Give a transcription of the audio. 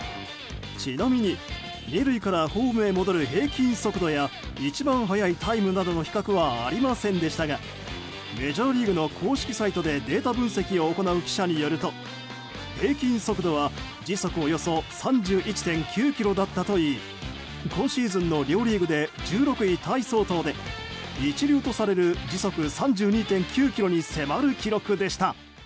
ちなみに、２塁からホームへ戻る平均速度や一番速いタイムなどの比較はありませんでしたがメジャーリーグの公式サイトでデータ分析を行う記者によると、平均速度は時速およそ３１．９キロだったといい今シーズンの両リーグで１６位タイ相当で一流とされる時速３２．９キロに迫る記録でした。